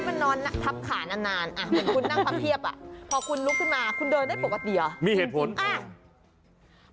เหมือนคุณนั่งประเภพอ่ะพอคุณลุกขึ้นมาคุณเดินได้ปกติอ่ะ